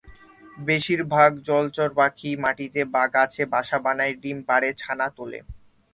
বেশিরভাগ জলচর পাখি মাটিতে বা গাছে বাসা বানায়, ডিম পাড়ে, ছানা তোলে।